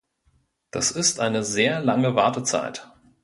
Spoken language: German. Das ist eine sehr lange Wartezeit.